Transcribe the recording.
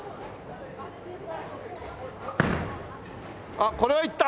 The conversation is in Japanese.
あっこれはいった！